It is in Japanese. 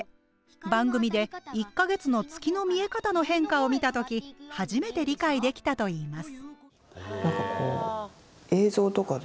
番組で１か月の月の見え方の変化を見た時初めて理解できたといいます。